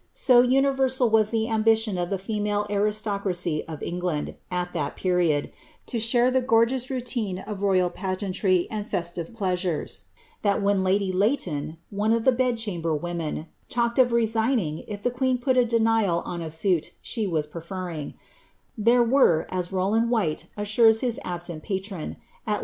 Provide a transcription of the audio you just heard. So imiversal was the ambition of ihe female aristocracy of England, at ihM period, lo share ihe gorgeous rouline of roval pageantrj' and festite pleasures, that when Laily Leighton, one f>f ihe bed ehamber womfo, talked of resigning if the queen put a denial on a suit she was p^elf^ ring, there were, as Rowland Khyie assures his absent patron, ai le».